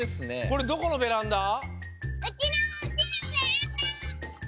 これどこのベランダ？